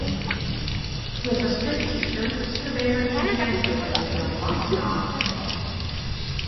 He was a strict teacher, surveyor, and translator for the Wampanoag people.